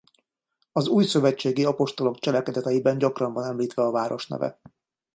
Az Újszövetségi apostolok cselekedeteiben gyakran van említve a város neve.